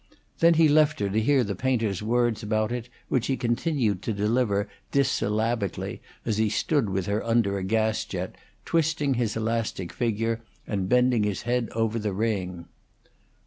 Then he left her to hear the painter's words about it, which he continued to deliver dissyllabically as he stood with her under a gas jet, twisting his elastic figure and bending his head over the ring.